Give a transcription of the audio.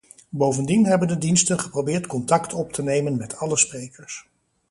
Bovendien hebben de diensten geprobeerd contact op te nemen met alle sprekers.